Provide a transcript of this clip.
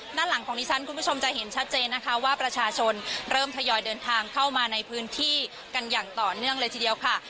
ด้านหลังของดิฉันคุณผู้ชมจะเห็นชัดเจนนะคะว่าประชาชนเริ่มทยอยเดินทางเข้ามาในพื้นที่กันอย่างต่อเนื่องเลยทีเดียวค่ะ